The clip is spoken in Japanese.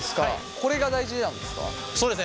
これが大事なんですか？